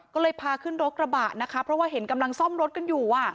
ก็เลยพาขึ้นรถกระบะนะคะเพราะว่าเห็นกำลังซ่อมรถกันอยู่